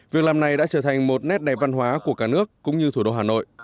việc làm này đã trở thành một nét đẹp văn hóa của cả nước cũng như thủ đô hà nội